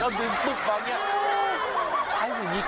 เอาจริงปูบเปล่าเนี่ย